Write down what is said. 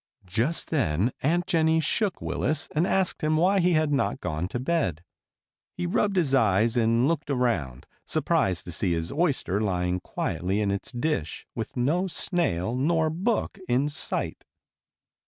'" Just then Aunt Jennie shook Willis and asked him why he had not gone to bed. He rubbed his eyes and looked around, surprised to see his oyster lying quietly in its dish, with no snail nor book in sight.